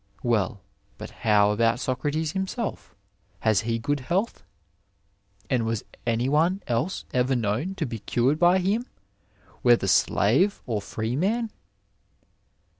Well, but how about Socrates himself, has he good health ? And was any one else ever known to be cured by him whether slave or freeman